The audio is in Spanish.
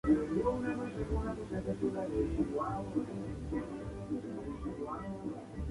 La solución federal para España que Franco rechazó".